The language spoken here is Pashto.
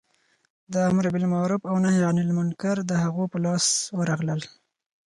د امر بالمعروف او نهې عن المنکر د هغو په لاس ورغلل.